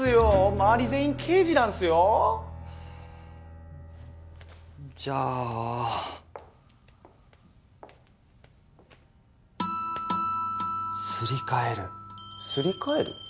まわり全員刑事なんすよじゃすり替えるすり替える？